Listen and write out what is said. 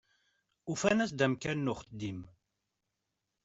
Ufan-as-d amkan n uxeddim.